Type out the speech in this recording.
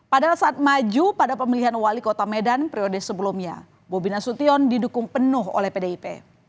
pada saat maju pada pemilihan wali kota medan periode sebelumnya bobi nasution didukung penuh oleh pdip